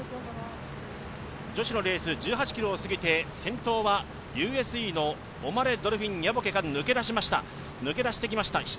女子のレース１８ｋｍを過ぎて先頭はユー・エス・イーのオマレ・ドルフィン・ニャボケが抜け出してきました。